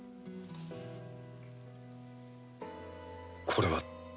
これは？